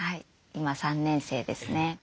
今３年生ですね。